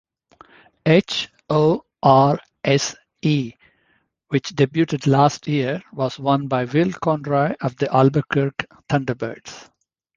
H-O-R-S-E, which debuted last year, was won by Will Conroy of the Albuquerque Thunderbirds.